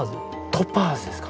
トパーズですか？